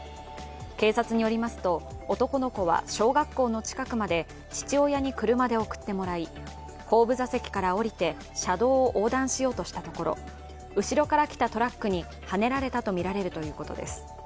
警察によりますと男の子は小学校の近くまで父親に車で送ってもらい後部座席から降りて車道を横断しようとしたところ後ろから来たトラックにはねられたとみられるということです。